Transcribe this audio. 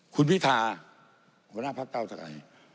คุณพิธาหัวหน้าพักเก้าไกร